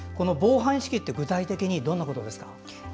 防犯意識って具体的にどんなことですか？